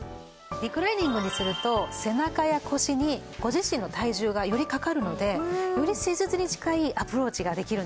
リクライニングにすると背中や腰にご自身の体重がよりかかるのでより施術に近いアプローチができるんです。